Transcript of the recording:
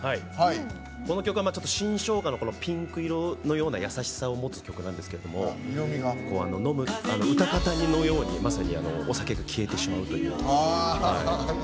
この曲は新生姜のピンク色のような優しさを持つ曲なんですけど泡沫のようにまさにお酒で消えてしまうという。